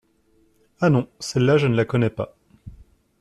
Ah non, celle-là, je ne la connais pas.